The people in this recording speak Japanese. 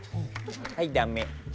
「はいダメ」。